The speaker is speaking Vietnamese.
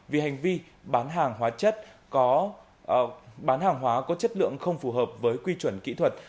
vì hành vi bán hàng hóa có chất lượng không phù hợp với quy chuẩn kỹ thuật